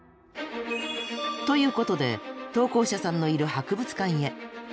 ということで投稿者さんのいる博物館へ。